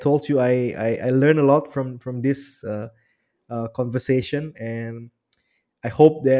untuk datang ke pembicaraan ini